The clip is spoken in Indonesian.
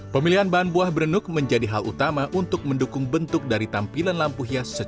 pemilihan bahan buah berenuk menjadi hal utama untuk mendukung bentuk dari tampilan lampu hias